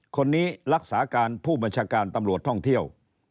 คนนี้รักษาการผู้บัญชาการตำรวจท่องเที่ยว